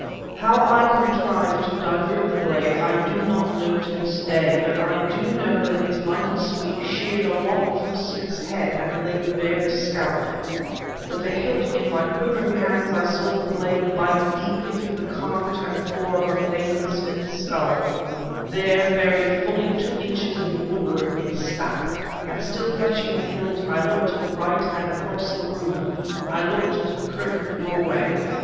How I contrived to divert the blade, I do not know to this day; but I do know that its mighty sweep sheared a lock from Smith's head and laid bare the scalp. With the hilt in my quivering hands I saw the blade bite deeply through the carpet and floor above Nayland Smith's skull. There, buried fully two inches in the woodwork, it stuck, and still clutching the hilt, I looked to the right and across the room I looked to the curtained doorway.